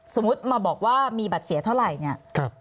สมมุติมาบอกว่ามีบัตรเสียเท่าไหร่เนี่ย